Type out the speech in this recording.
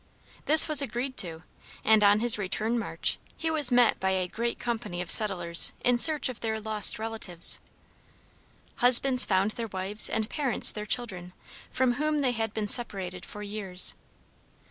This was agreed to, and on his return march he was met by a great company of settlers in search of their lost relatives. "Husbands found their wives and parents their children, from whom they had been separated for years.